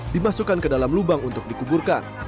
dimasukkan ke dalam lubang untuk dikuburkan